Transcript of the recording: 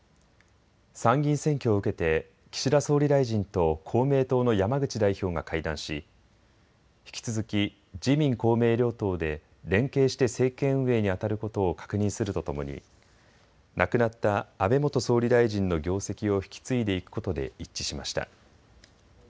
参議院選挙を受けて岸田総理大臣と公明党の山口代表が会談し引き続き自民公明両党で連携して政権運営にあたることを確認するとともに亡くなった安倍元総理大臣の業績を引き継いでいくことで一致しました。